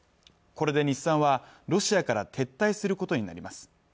これで日産はロシアから撤退することになります